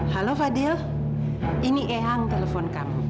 halo fadil ini ehang telepon kami